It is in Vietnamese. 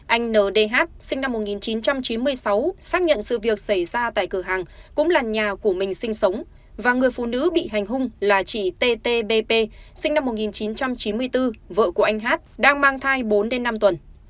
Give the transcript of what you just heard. anh n d h sinh năm một nghìn chín trăm chín mươi sáu xác nhận sự việc xảy ra tại cửa hàng cũng là nhà của mình sinh sống và người phụ nữ bị hành hung là chị t t b p sinh năm một nghìn chín trăm chín mươi bốn vợ của anh h đang mang thai bốn đến năm tuần